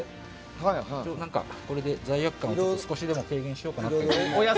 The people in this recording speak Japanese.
これで罪悪感を少しでも軽減しようかなと。